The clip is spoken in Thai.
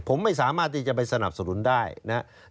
ผมไม่สามารถที่จะไปสนับสนุนได้นะครับ